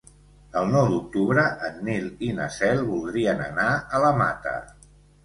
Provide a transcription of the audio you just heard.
El nou d'octubre en Nil i na Cel voldrien anar a la Mata.